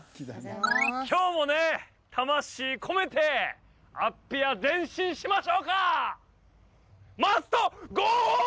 今日もね魂込めてアッピア前進しましょうか！